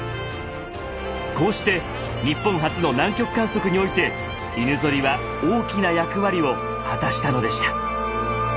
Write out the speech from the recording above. こうして日本初の南極観測において犬ゾリは大きな役割を果たしたのでした。